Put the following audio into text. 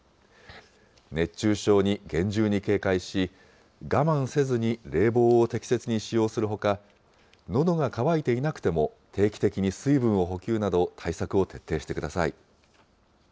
熱中症に厳重に警戒し、我慢せずに冷房を適切に使用するほか、のどが渇いていなくても定期的に水分を補給など、対策を徹底してください。